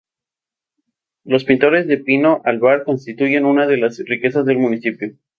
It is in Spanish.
Los pinares de pino albar constituyen una de las riquezas del municipio.